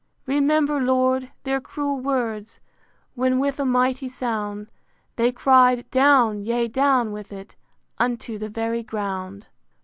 VIII. Remember, Lord, their cruel words, When, with a mighty sound, They cried, Down, yea down with it, Unto the very ground!